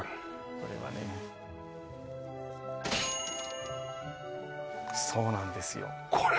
これはねそうなんですよ